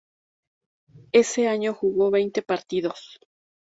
Ese año jugó veinte partidos.